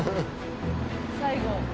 最後。